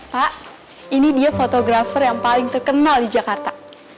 pak ini dia fotografer yang paling terkenal di jakarta